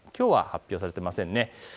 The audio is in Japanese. きょうは発表されていません。